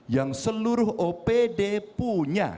yang seluruh opd punya